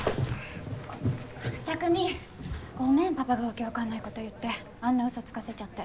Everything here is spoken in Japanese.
匠ごめんパパが訳わかんないこと言ってあんなうそつかせちゃって。